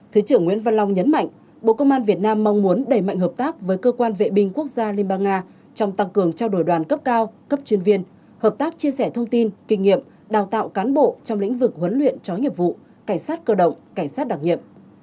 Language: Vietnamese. thứ trưởng nguyễn văn long nhấn mạnh bộ công an việt nam mong muốn đẩy mạnh hợp tác với cơ quan vệ binh quốc gia liên bang nga trong tăng cường trao đổi đoàn cấp cao cấp chuyên viên hợp tác chia sẻ thông tin kinh nghiệm đào tạo cán bộ trong lĩnh vực huấn luyện chó nghiệp vụ cảnh sát cơ động cảnh sát đặc nhiệm